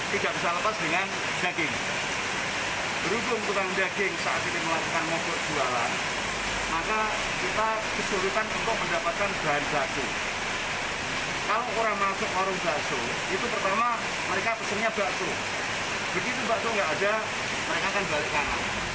kalau nggak ada mereka akan jual ikan